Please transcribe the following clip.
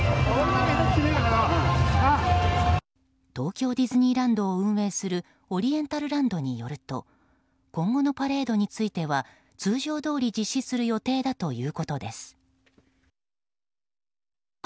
東京ディズニーランドを運営するオリエンタルランドによると今後のパレードについては通常どおり実施する予定だということです。